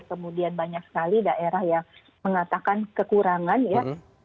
kemudian banyak sekali daerah yang mengatakan kekurangan ya